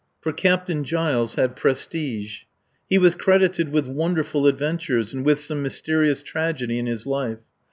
For Captain Giles had prestige. He was credited with wonderful adventures and with some mysterious tragedy in his life.